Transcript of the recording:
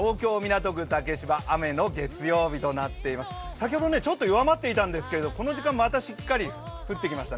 先ほどちょっと弱まっていたんですけれども、この時間またしっかり降ってきました。